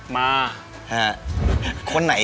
มา